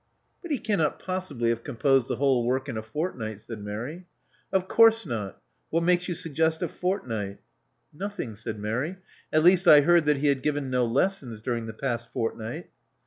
But he cannot possibly have composed the whole work in a fortnight," said Mary. Of course not. What makes you suggest a fort night?" Nothing," said Mary. At least, I heard that he had given no lessons during the past fortnight."